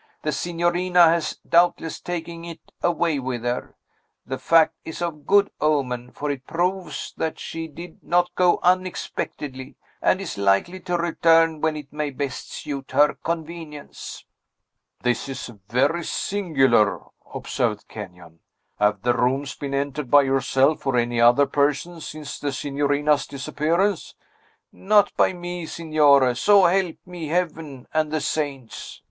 "The signorina has doubtless taken it away with her. The fact is of good omen; for it proves that she did not go unexpectedly, and is likely to return when it may best suit her convenience." "This is very singular," observed Kenyon. "Have the rooms been entered by yourself, or any other person, since the signorina's disappearance?" "Not by me, Signore, so help me Heaven and the saints!"